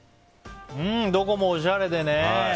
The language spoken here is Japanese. どこもおしゃれでね。